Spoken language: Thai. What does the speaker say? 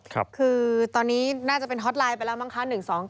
คือตอนนี้น่าจะเป็นฮอตไลน์ไปแล้วมั้งคะ